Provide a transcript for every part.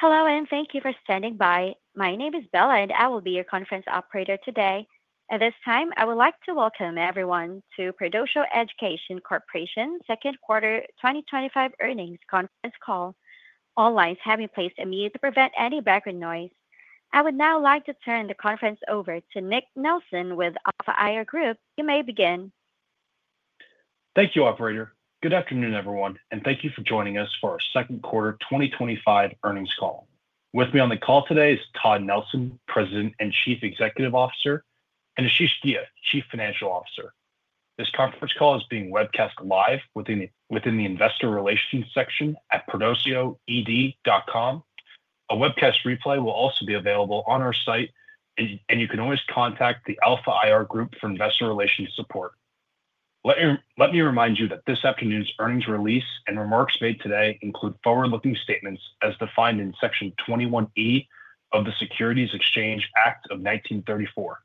Hello and thank you for standing by. My name is Bella and I will be your conference operator today. At this time, I would like to welcome everyone to Perdoceo Education Corporation's second quarter 2025 earnings conference call. All lines have been placed on mute to prevent any background noise. I would now like to turn the conference over to Nick Nelson with Alpha IR Group. You may begin. Thank you, Operator. Good afternoon, everyone, and thank you for joining us for our second quarter 2025 earnings call. With me on the call today is Todd Nelson, President and Chief Executive Officer, and Ashish Ghia, Chief Financial Officer. This conference call is being webcast live within the investor relations section at perdoceoed.com. A webcast replay will also be available on our site, and you can always contact the Alpha IR Group for investor relations support. Let me remind you that this afternoon's earnings release and remarks made today include forward-looking statements as defined in Section 21E of the Securities Exchange Act of 1934.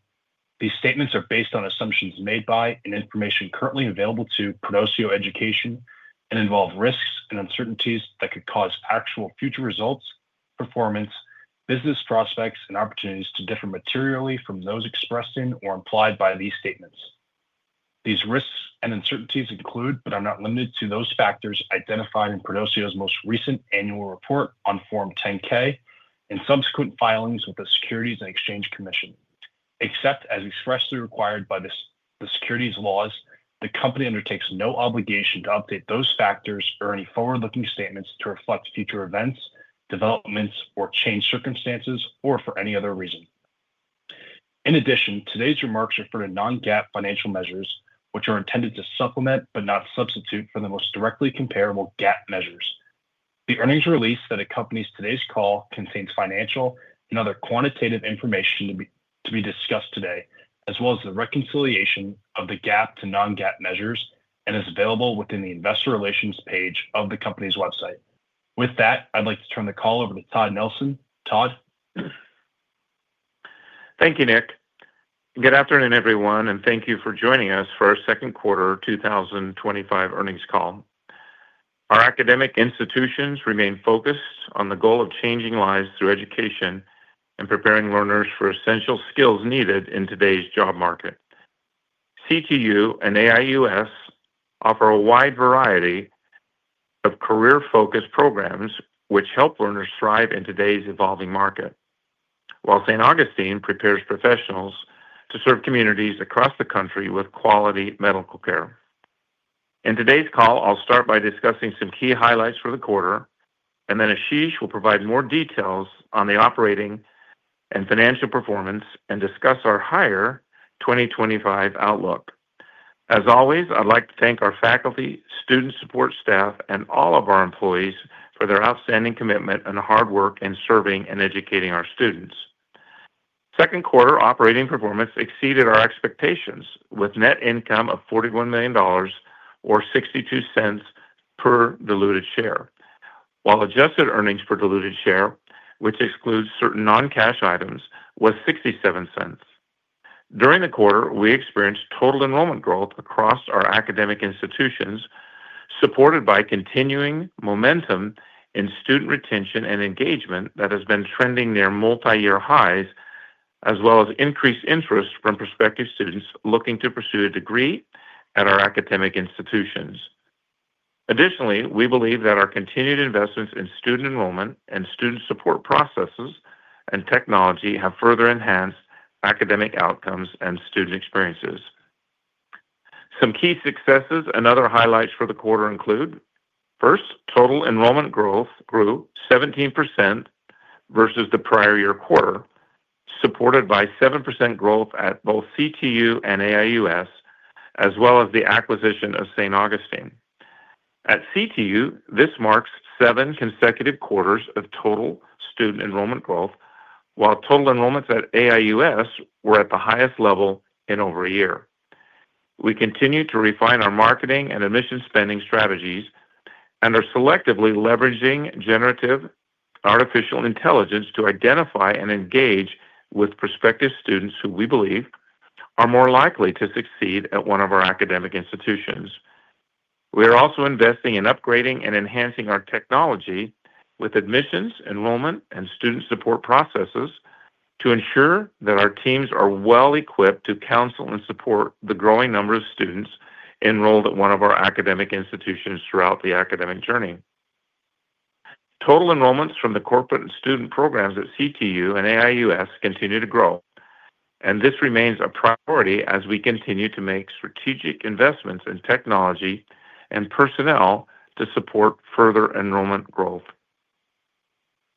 These statements are based on assumptions made by and information currently available to Perdoceo Education Corporation, and involve risks and uncertainties that could cause actual future results, performance, business prospects, and opportunities to differ materially from those expressed in or implied by these statements. These risks and uncertainties include, but are not limited to, those factors identified in Perdoceo's most recent annual report on Form 10-K and subsequent filings with the Securities and Exchange Commission. Except as expressly required by the securities laws, the company undertakes no obligation to update those factors or any forward-looking statements to reflect future events, developments, or changed circumstances, or for any other reason. In addition, today's remarks refer to non-GAAP financial measures, which are intended to supplement but not substitute for the most directly comparable GAAP measures. The earnings release that accompanies today's call contains financial and other quantitative information to be discussed today, as well as the reconciliation of the GAAP to non-GAAP measures, and is available within the investor relations page of the company's website. With that, I'd like to turn the call over to Todd Nelson. Todd. Thank you, Nick. Good afternoon, everyone, and thank you for joining us for our second quarter 2025 earnings call. Our academic institutions remain focused on the goal of changing lives through education and preparing learners for essential skills needed in today's job market. CTU and AIUS offer a wide variety of career-focused programs which help learners thrive in today's evolving market, while St. Augustine prepares professionals to serve communities across the country with quality medical care. In today's call, I'll start by discussing some key highlights for the quarter, and then Ashish will provide more details on the operating and financial performance and discuss our higher 2025 outlook. As always, I'd like to thank our faculty, student support staff, and all of our employees for their outstanding commitment and hard work in serving and educating our students. Second quarter operating performance exceeded our expectations with net income of $41 million or $0.62 per diluted share, while adjusted earnings per diluted share, which excludes certain non-cash items, was $0.67. During the quarter, we experienced total enrollment growth across our academic institutions, supported by continuing momentum in student retention and engagement that has been trending near multi-year highs, as well as increased interest from prospective students looking to pursue a degree at our academic institutions. Additionally, we believe that our continued investments in student enrollment and student support processes and technology have further enhanced academic outcomes and student experiences. Some key successes and other highlights for the quarter include: first, total enrollment growth grew 17% versus the prior year quarter, supported by 7% growth at both CTU and AIUS, as well as the acquisition of St. Augustine. At CTU, this marks seven consecutive quarters of total student enrollment growth, while total enrollments at AIUS were at the highest level in over a year. We continue to refine our marketing and admissions spending strategies and are selectively leveraging generative artificial intelligence to identify and engage with prospective students who we believe are more likely to succeed at one of our academic institutions. We are also investing in upgrading and enhancing our technology with admissions, enrollment, and student support processes to ensure that our teams are well equipped to counsel and support the growing number of students enrolled at one of our academic institutions throughout the academic journey. Total enrollments from the corporate and student programs at CTU and AIUS continue to grow, and this remains a priority as we continue to make strategic investments in technology and personnel to support further enrollment growth.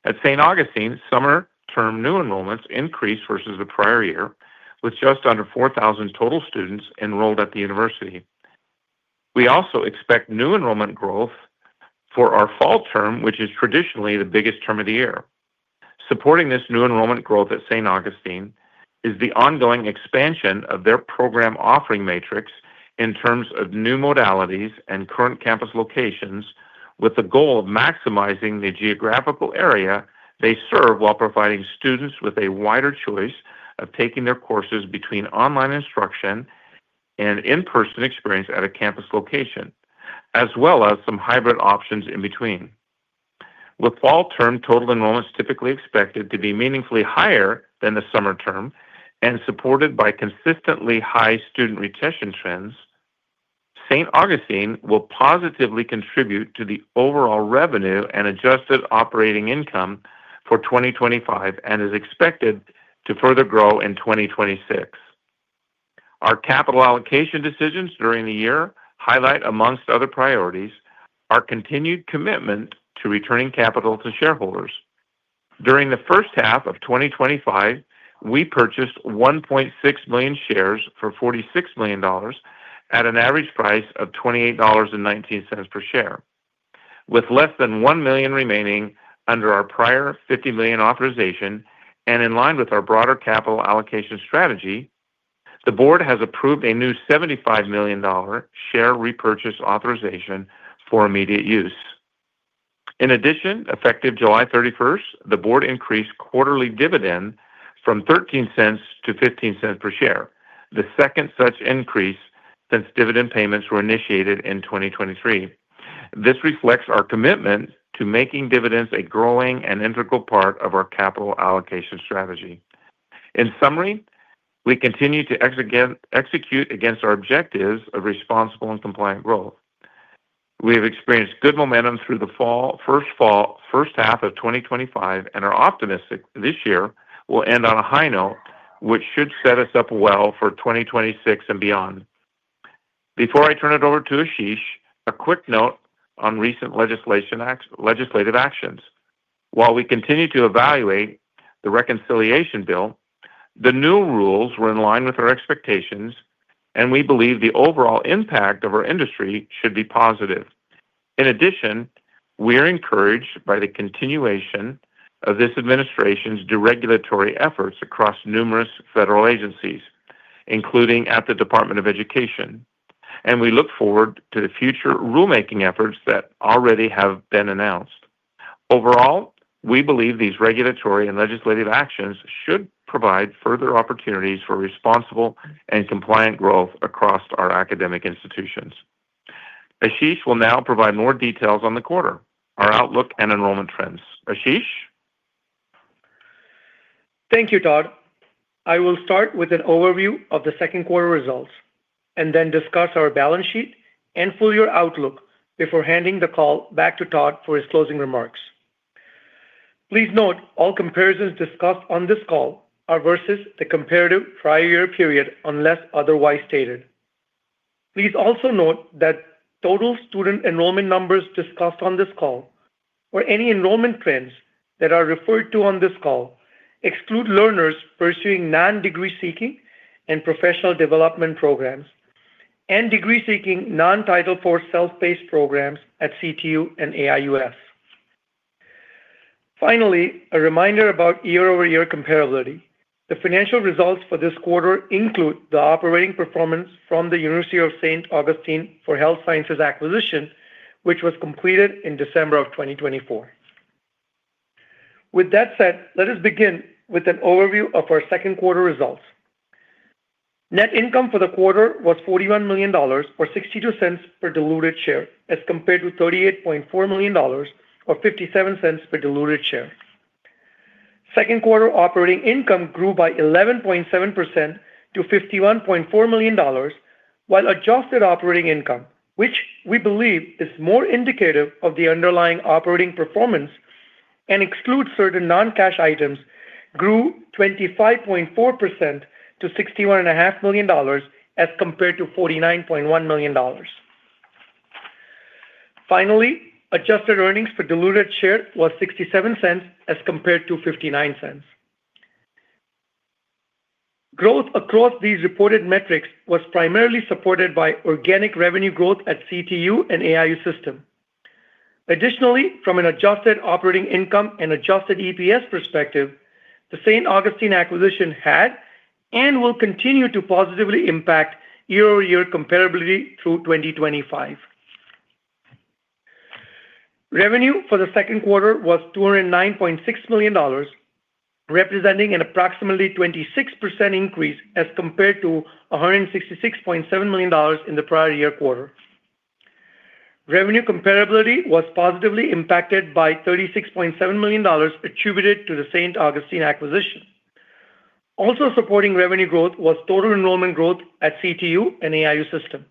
At St. Augustine, summer term new enrollments increased versus the prior year, with just under 4,000 total students enrolled at the university. We also expect new enrollment growth for our fall term, which is traditionally the biggest term of the year. Supporting this new enrollment growth at St. Augustine is the ongoing expansion of their program offering matrix in terms of new modalities and current campus locations, with the goal of maximizing the geographical area they serve while providing students with a wider choice of taking their courses between online instruction and in-person experience at a campus location, as well as some hybrid options in between. With fall term total enrollments typically expected to be meaningfully higher than the summer term and supported by consistently high student retention trends, St. Augustine will positively contribute to the overall revenue and adjusted operating income for 2025 and is expected to further grow in 2026. Our capital allocation decisions during the year highlight, amongst other priorities, our continued commitment to returning capital to shareholders. During the first half of 2025, we purchased 1.6 million shares for $46 million at an average price of $28.19 per share. With less than 1 million remaining under our prior $50 million authorization and in line with our broader capital allocation strategy, the board has approved a new $75 million share repurchase authorization for immediate use. In addition, effective July 31, the board increased quarterly dividends from $0.13 to $0.15 per share, the second such increase since dividend payments were initiated in 2023. This reflects our commitment to making dividends a growing and integral part of our capital allocation strategy. In summary, we continue to execute against our objectives of responsible and compliant growth. We have experienced good momentum through the fall, first half of 2025, and are optimistic this year will end on a high note, which should set us up well for 2026 and beyond. Before I turn it over to Ashish, a quick note on recent legislative actions. While we continue to evaluate the reconciliation bill, the new rules were in line with our expectations, and we believe the overall impact on our industry should be positive. In addition, we are encouraged by the continuation of this administration's deregulatory efforts across numerous federal agencies, including at the Department of Education, and we look forward to the future rulemaking efforts that already have been announced. Overall, we believe these regulatory and legislative actions should provide further opportunities for responsible and compliant growth across our academic institutions. Ashish will now provide more details on the quarter, our outlook, and enrollment trends. Ashish? Thank you, Todd. I will start with an overview of the second quarter results and then discuss our balance sheet and full-year outlook before handing the call back to Todd for his closing remarks. Please note all comparisons discussed on this call are versus the comparative prior year period unless otherwise stated. Please also note that total student enrollment numbers discussed on this call or any enrollment trends that are referred to on this call exclude learners pursuing non-degree-seeking and professional development programs and degree-seeking non-Title IV self-paced programs at CTU and AIUS. Finally, a reminder about year-over-year comparability. The financial results for this quarter include the operating performance from the University of St. Augustine for Health Sciences acquisition, which was completed in December 2024. With that said, let us begin with an overview of our second quarter results. Net income for the quarter was $41 million or $0.62 per diluted share, as compared to $38.4 million or $0.57 per diluted share. Second quarter operating income grew by 11.7% to $51.4 million, while adjusted operating income, which we believe is more indicative of the underlying operating performance and excludes certain non-cash items, grew 25.4% to $61.5 million as compared to $49.1 million. Finally, adjusted earnings per diluted share was $0.67 as compared to $0.59. Growth across these reported metrics was primarily supported by organic revenue growth at CTU and AIUS. Additionally, from an adjusted operating income and adjusted EPS perspective, the St. Augustine acquisition had and will continue to positively impact year-over-year comparability through 2025. Revenue for the second quarter was $209.6 million, representing an approximately 26% increase as compared to $166.7 million in the prior year quarter. Revenue comparability was positively impacted by $36.7 million attributed to the St. Augustine acquisition. Also supporting revenue growth was total enrollment growth at CTU and AIU System.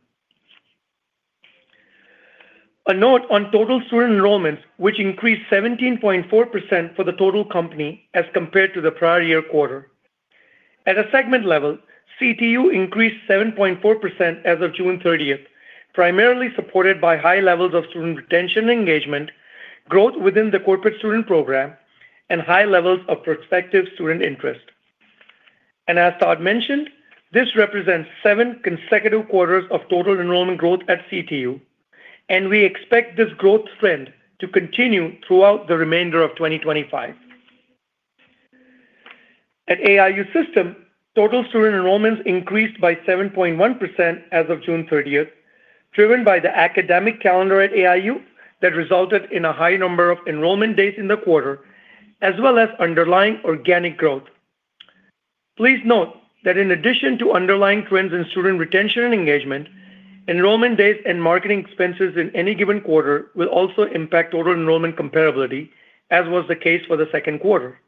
A note on total student enrollments, which increased 17.4% for the total company as compared to the prior year quarter. At a segment level, CTU increased 7.4% as of June 30th, primarily supported by high levels of student retention and engagement, growth within the corporate student program, and high levels of prospective student interest. As Todd mentioned, this represents seven consecutive quarters of total enrollment growth at CTU, and we expect this growth trend to continue throughout the remainder of 2025. At AIU System, total student enrollments increased by 7.1% as of June 30, driven by the academic calendar at AIU that resulted in a high number of enrollment days in the quarter, as well as underlying organic growth. Please note that in addition to underlying trends in student retention and engagement, enrollment days and marketing expenses in any given quarter will also impact total enrollment comparability, as was the case for the second quarter.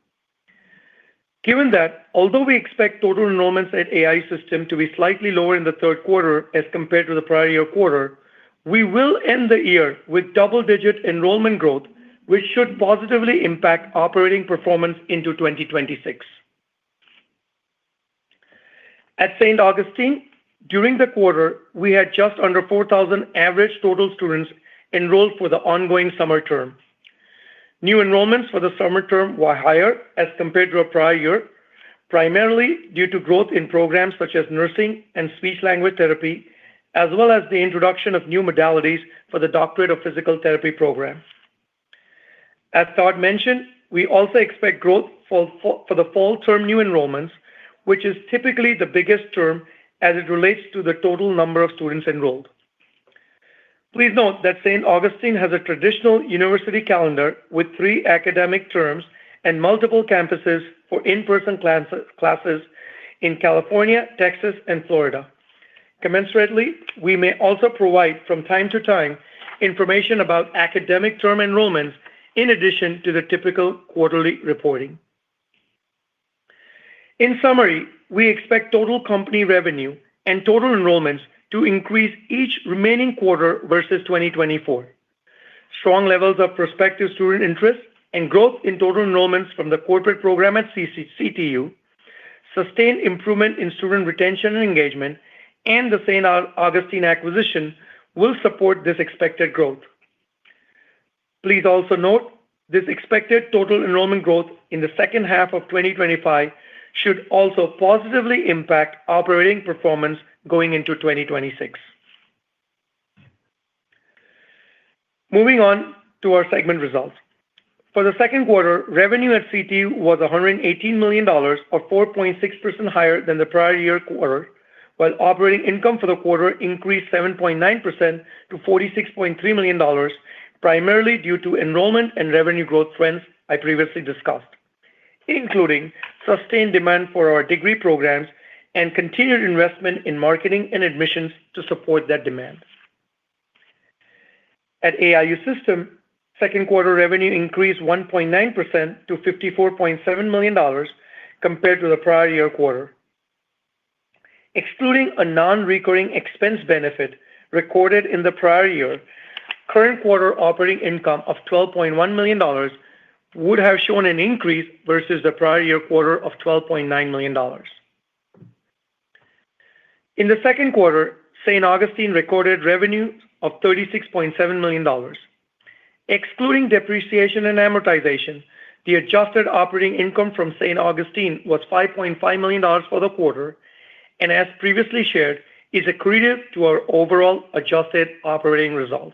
Given that, although we expect total enrollments at AIU System to be slightly lower in the third quarter as compared to the prior year quarter, we will end the year with double-digit enrollment growth, which should positively impact operating performance into 2026. At St. Augustine, during the quarter, we had just under 4,000 average total students enrolled for the ongoing summer term. New enrollments for the summer term were higher as compared to a prior year, primarily due to growth in programs such as nursing and speech-language therapy, as well as the introduction of new modalities for the Doctorate of Physical Therapy program. As Todd mentioned, we also expect growth for the fall term new enrollments, which is typically the biggest term as it relates to the total number of students enrolled. Please note that St. Augustine has a traditional university calendar with three academic terms and multiple campuses for in-person classes in California, Texas, and Florida. Commensurately, we may also provide from time to time information about academic term enrollments in addition to the typical quarterly reporting. In summary, we expect total company revenue and total enrollments to increase each remaining quarter versus 2024. Strong levels of prospective student interest and growth in total enrollments from the corporate program at CTU, sustained improvement in student retention and engagement, and the St. Augustine acquisition will support this expected growth. Please also note this expected total enrollment growth in the second half of 2025 should also positively impact operating performance going into 2026. Moving on to our segment results. For the second quarter, revenue at CTU was $118 million, or 4.6% higher than the prior year quarter, while operating income for the quarter increased 7.9% to $46.3 million, primarily due to enrollment and revenue growth trends I previously discussed, including sustained demand for our degree programs and continued investment in marketing and admissions to support that demand. At AIU System, second quarter revenue increased 1.9% to $54.7 million compared to the prior year quarter. Excluding a non-recurring expense benefit recorded in the prior year, current quarter operating income of $12.1 million would have shown an increase versus the prior year quarter of $12.9 million. In the second quarter, St. Augustine recorded revenue of $36.7 million. Excluding depreciation and amortization, the adjusted operating income from St. Augustine was $5.5 million for the quarter, and as previously shared, is accretive to our overall adjusted operating results.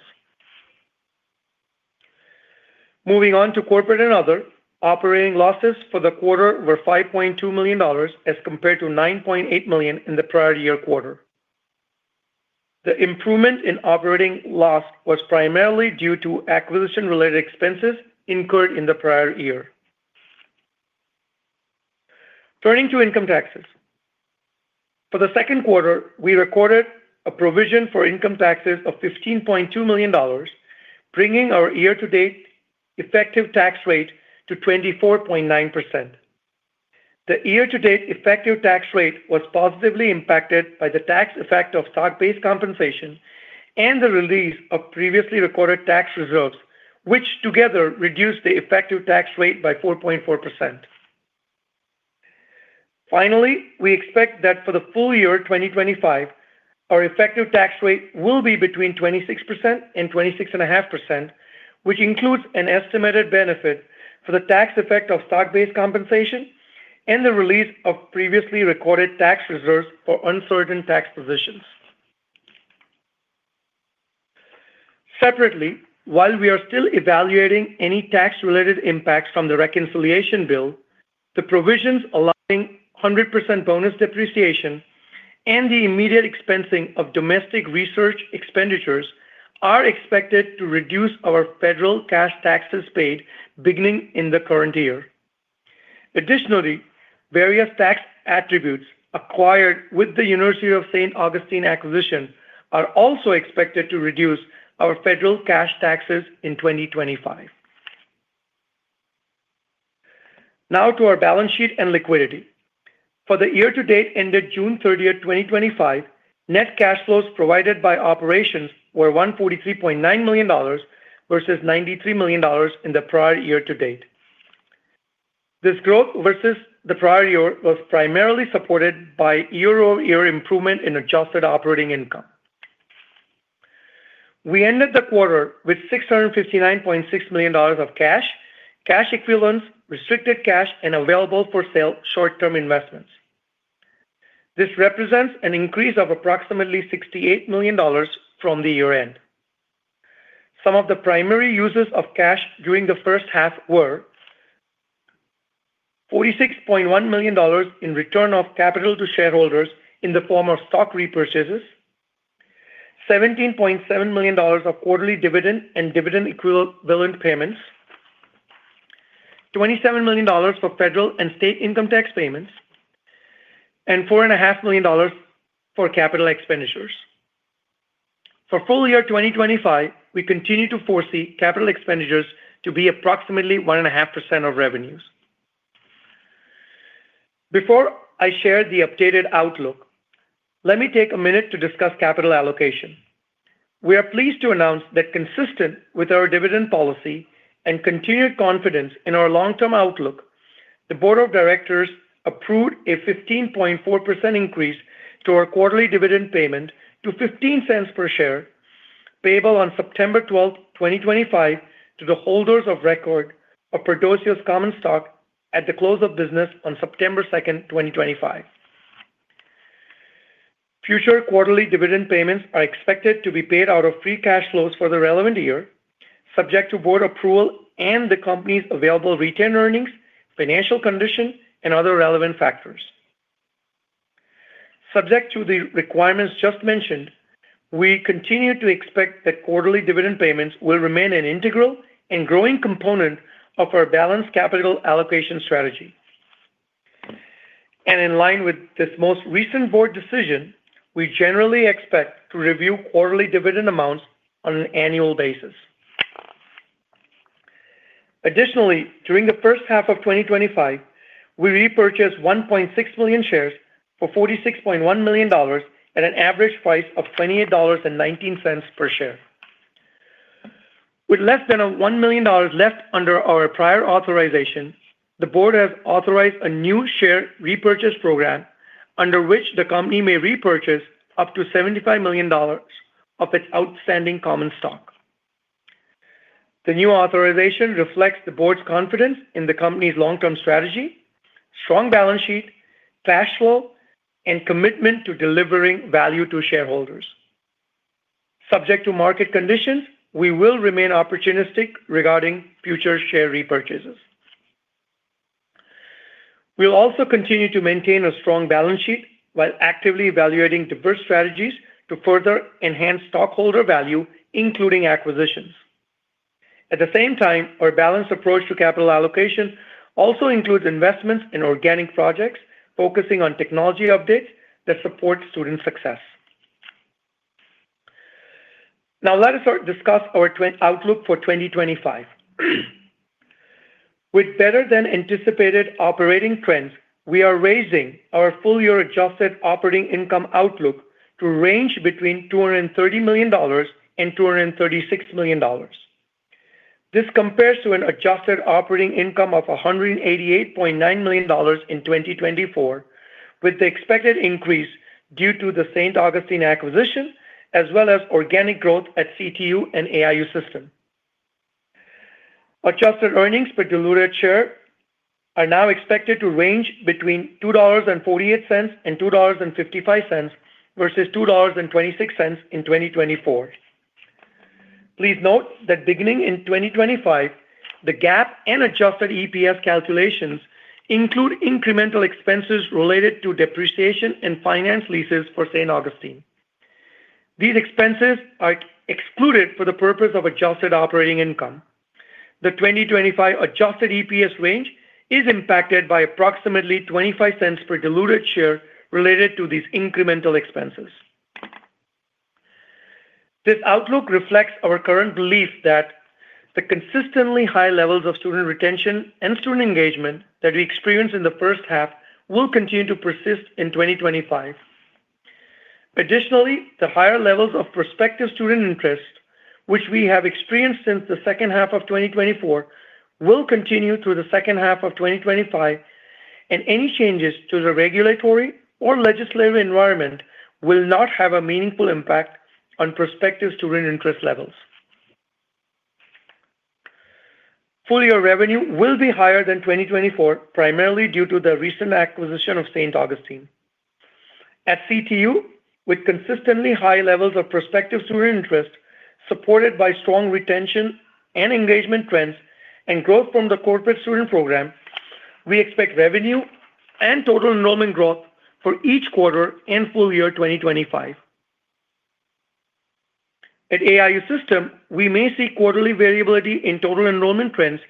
Moving on to corporate and other, operating losses for the quarter were $5.2 million as compared to $9.8 million in the prior year quarter. The improvement in operating loss was primarily due to acquisition-related expenses incurred in the prior year. Turning to income taxes. For the second quarter, we recorded a provision for income taxes of $15.2 million, bringing our year-to-date effective tax rate to 24.9%. The year-to-date effective tax rate was positively impacted by the tax effect of stock-based compensation and the release of previously recorded tax reserves, which together reduced the effective tax rate by 4.4%. Finally, we expect that for the full year 2025, our effective tax rate will be between 26% and 26.5%, which includes an estimated benefit for the tax effect of stock-based compensation and the release of previously recorded tax reserves for uncertain tax positions. Separately, while we are still evaluating any tax-related impacts from the reconciliation bill, the provisions allowing 100% bonus depreciation and the immediate expensing of domestic research expenditures are expected to reduce our federal cash taxes paid beginning in the current year. Additionally, various tax attributes acquired with the University of St. Augustine acquisition are also expected to reduce our federal cash taxes in 2025. Now to our balance sheet and liquidity. For the year-to-date ended June 30th, 2025, net cash flows provided by operations were $143.9 million versus $93 million in the prior year to date. This growth versus the prior year was primarily supported by year-over-year improvement in adjusted operating income. We ended the quarter with $659.6 million of cash, cash equivalents, restricted cash, and available-for-sale short-term investments. This represents an increase of approximately $68 million from the year-end. Some of the primary uses of cash during the first half were $46.1 million in return of capital to shareholders in the form of stock repurchases, $17.7 million of quarterly dividend and dividend equivalent payments, $27 million for federal and state income tax payments, and $4.5 million for capital expenditures. For full year 2025, we continue to foresee capital expenditures to be approximately 1.5% of revenue. Before I share the updated outlook, let me take a minute to discuss capital allocation. We are pleased to announce that, consistent with our dividend policy and continued confidence in our long-term outlook, the Board of Directors approved a 15.4% increase to our quarterly dividend payment to $0.15 per share, payable on September 12, 2025, to the holders of record of Perdoceo's common stock at the close of business on September 2, 2025. Future quarterly dividend payments are expected to be paid out of free cash flows for the relevant year, subject to board approval and the company's available retained earnings, financial condition, and other relevant factors. Subject to the requirements just mentioned, we continue to expect that quarterly dividend payments will remain an integral and growing component of our balanced capital allocation strategy. In line with this most recent board decision, we generally expect to review quarterly dividend amounts on an annual basis. Additionally, during the first half of 2025, we repurchased 1.6 million shares for $46.1 million at an average price of $28.19 per share. With less than $1 million left under our prior authorization, the board has authorized a new share repurchase program under which the company may repurchase up to $75 million of its outstanding common stock. The new authorization reflects the board's confidence in the company's long-term strategy, strong balance sheet, cash flow, and commitment to delivering value to shareholders. Subject to market conditions, we will remain opportunistic regarding future share repurchases. We'll also continue to maintain a strong balance sheet while actively evaluating diverse strategies to further enhance stockholder value, including acquisitions. At the same time, our balanced approach to capital allocation also includes investments in organic projects focusing on technology updates that support student success. Now, let us discuss our outlook for 2025. With better than anticipated operating trends, we are raising our full-year adjusted operating income outlook to range between $230 million and $236 million. This compares to an adjusted operating income of $188.9 million in 2024, with the expected increase due to the St. Augustine acquisition, as well as organic growth at CTU and AIU System. Adjusted earnings per diluted share are now expected to range between $2.48 and $2.55 versus $2.26 in 2024. Please note that beginning in 2025, the GAAP and adjusted EPS calculations include incremental expenses related to depreciation and finance leases for St. Augustine. These expenses are excluded for the purpose of adjusted operating income. The 2025 adjusted EPS range is impacted by approximately $0.25 per diluted share related to these incremental expenses. This outlook reflects our current belief that the consistently high levels of student retention and student engagement that we experienced in the first half will continue to persist in 2025. Additionally, the higher levels of prospective student interest, which we have experienced since the second half of 2024, will continue through the second half of 2025, and any changes to the regulatory or legislative environment will not have a meaningful impact on prospective student interest levels. Full-year revenue will be higher than 2024, primarily due to the recent acquisition of St. Augustine. At CTU, with consistently high levels of prospective student interest supported by strong retention and engagement trends and growth from the corporate student program, we expect revenue and total enrollment growth for each quarter in full year 2025. At American InterContinental University System, we may see quarterly variability in total enrollment trends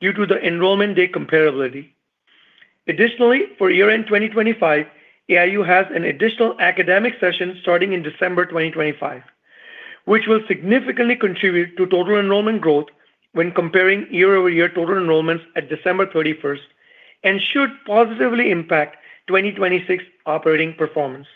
due to the enrollment day comparability. Additionally, for year-end 2025, AIU has an additional academic session starting in December 2025, which will significantly contribute to total enrollment growth when comparing year-over-year total enrollments at December 31 and should positively impact 2026 operating performance.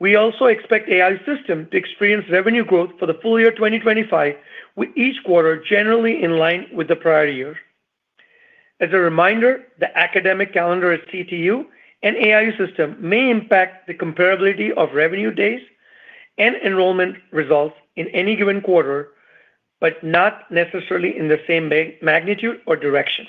We also expect AIU to experience revenue growth for the full year 2025, with each quarter generally in line with the prior year. As a reminder, the academic calendar at CTU and AIU System may impact the comparability of revenue days and enrollment results in any given quarter, but not necessarily in the same magnitude or direction.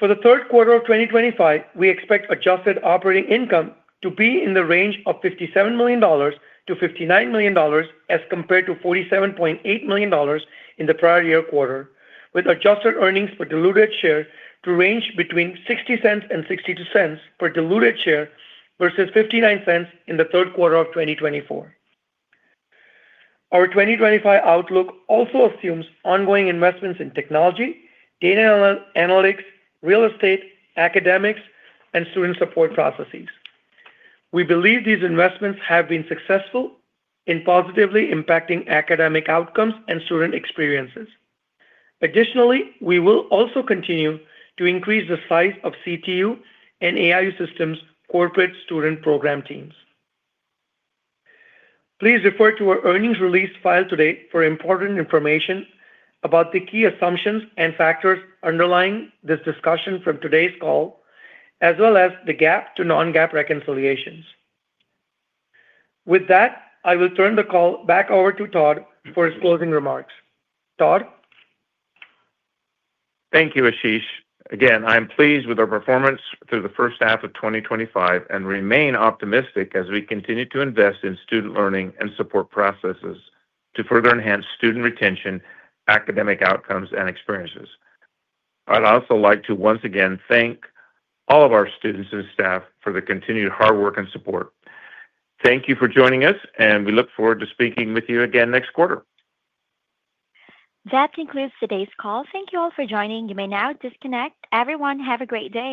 For the third quarter of 2025, we expect adjusted operating income to be in the range of $57 million-$59 million as compared to $47.8 million in the prior year quarter, with adjusted earnings per diluted share to range between $0.60 and $0.62 per diluted share versus $0.59 in the third quarter of 2024. Our 2025 outlook also assumes ongoing investments in technology, data analytics, real estate, academics, and student support processes. We believe these investments have been successful in positively impacting academic outcomes and student experiences. Additionally, we will also continue to increase the size of CTU and AIU System corporate student program teams. Please refer to our earnings release filed today for important information about the key assumptions and factors underlying this discussion from today's call, as well as the GAAP to non-GAAP reconciliations. With that, I will turn the call back over to Todd for his closing remarks. Todd? Thank you, Ashish. Again, I am pleased with our performance through the first half of 2025 and remain optimistic as we continue to invest in student learning and support processes to further enhance student retention, academic outcomes, and experiences. I'd also like to once again thank all of our students and staff for the continued hard work and support. Thank you for joining us, and we look forward to speaking with you again next quarter. That concludes today's call. Thank you all for joining. You may now disconnect. Everyone, have a great day.